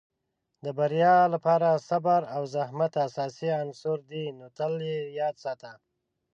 د بریا لپاره صبر او زحمت اساسي عناصر دي، نو تل یې یاد ساته.